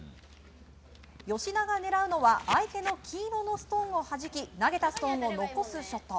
吉田が狙うのは相手の黄色のストーンをはじき投げたストーンを残すショット。